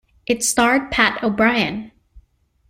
It starred Pat O'Brien.